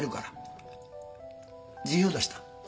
辞表出した。